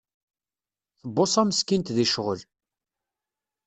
Tbuṣa meskint di ccɣel.